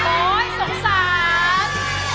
โอ๊ยสงสาร